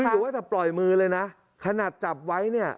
หรือว่าแต่ปล่อยมือเลยนะขนาดจับไว้เนี่ย